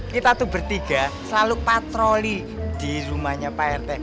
kita tuh bertiga selalu patroli di rumahnya pak rt